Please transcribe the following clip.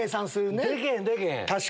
でけへんでけへん。